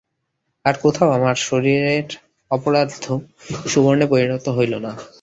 আর কোথাও আমার শরীরের অপরার্ধ সুবর্ণে পরিণত হইল না।